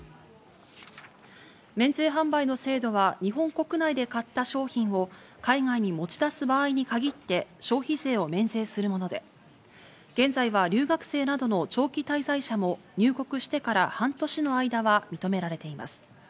免税販売の制度は日本国内で買った商品を海外に持ち出す場合に限って消費税を免税するもので、現在は留学生などの長期滞在者も入国してから半年の間は認められています。